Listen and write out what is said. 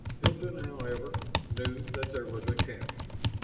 Hilton, however, knew that there was a chance.